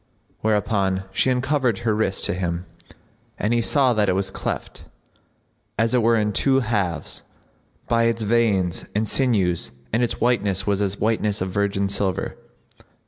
Whereupon she uncovered her wrist[FN#60] to him, and he saw that it was cleft, as it were in two halves, by its veins and sinews and its whiteness was as the whiteness of virgin silver.